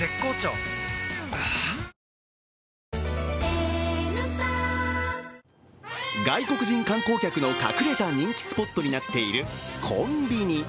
はぁ外国人観光客の隠れた人気スポットとなっているコンビニ。